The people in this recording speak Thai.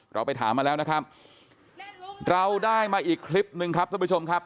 เราไปถามมาแล้วนะครับเราได้มาอีกคลิปหนึ่งครับท่านผู้ชมครับ